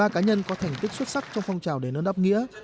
một mươi ba cá nhân có thành tích xuất sắc trong phong trào đền ơn đáp nghĩa